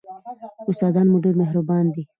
استادان مو ډېر مهربان دي.